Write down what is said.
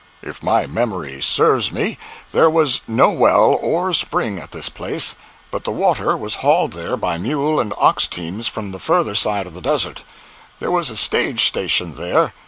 If my memory serves me, there was no well or spring at this place, but the water was hauled there by mule and ox teams from the further side of the desert. There was a stage station there.